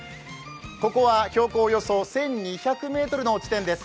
ここは標高およそ１２００ｍの地点です